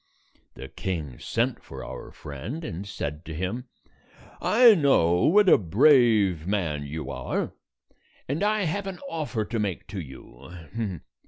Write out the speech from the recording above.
The king sent for our friend, and said to him, "I know what a brave man you are, and I have 132 an offer to make to you.